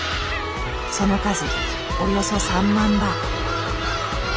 その数およそ３万羽。